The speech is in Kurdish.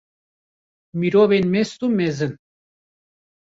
Mirovên mest û mezin!